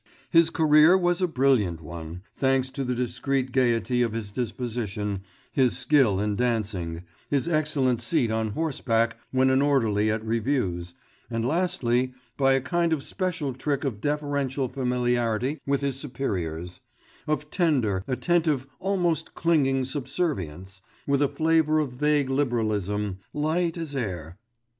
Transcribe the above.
His career was a brilliant one, thanks to the discreet gaiety of his disposition, his skill in dancing, his excellent seat on horseback when an orderly at reviews, and lastly, by a kind of special trick of deferential familiarity with his superiors, of tender, attentive almost clinging subservience, with a flavour of vague liberalism, light as air....